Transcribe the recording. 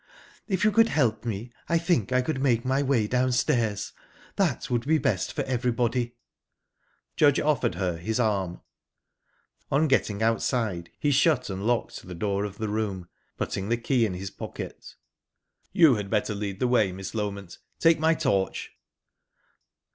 If you could help me, I think I could make my way downstairs. That would be best for everybody." Judge offered her his arm. On getting outside, he shut and locked the door of the room, putting the key in his pocket. "You had better lead the way, Miss Loment. Take my torch."